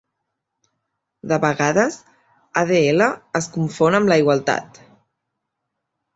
De vegades 'Adl es confon amb la igualtat.